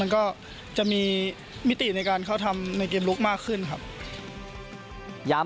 มันก็จะมีมิติในการเข้าทำในเกมลุกมากขึ้นครับย้ำ